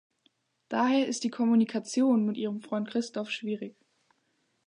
Daher ist die Kommunikation mit ihrem Freund Christoph schwierig.